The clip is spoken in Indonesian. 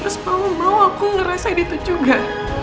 terus mau aku ngerasain itu juga